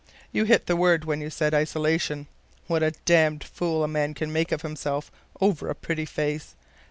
You hit the word when you said 'isolation.' What a damn fool a man can make of himself over a pretty face!